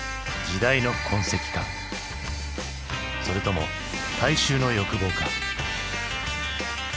それとも大衆の欲望か？